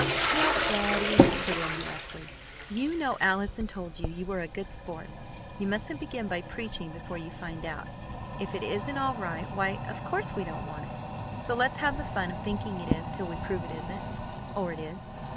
"Now, Cloudy!" put in Leslie. "You know Allison told you you were a good sport. You mustn't begin by preaching before you find out. If it isn't all right, why, of course we don't want it; so let's have the fun of thinking it is till we prove it isn't or it is."